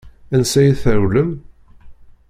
Ansa i trewlem?